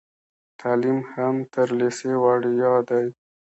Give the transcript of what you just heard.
تعلیم هم تر لیسې وړیا دی.